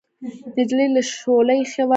نجلۍ ته شوله اېښې وه.